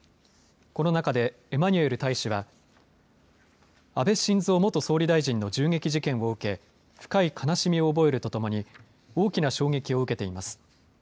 この中でエマニュエル大使は安倍晋三元総理大臣の銃撃事件を受け、深い悲しみを覚えるとともに大きな衝撃を受けています。